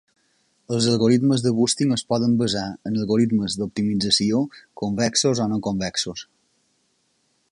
Els algoritmes de Boosting es poden basar en algoritmes d'optimització convexos o no convexos.